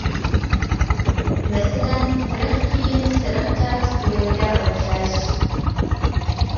مەسىلەن: سېرىق كىيىم، سېرىق چاچ دېگەنگە ئوخشاش.